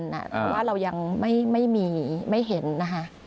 แต่ว่าเรายังไม่มีไม่เห็นนะคะ